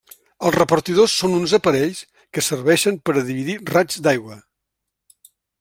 Els repartidors són uns aparells que serveixen per a dividir raigs d’aigua.